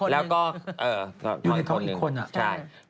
แล้วก็อยู่ในท้องอีกคน